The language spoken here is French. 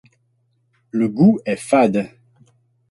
Le goût est fade.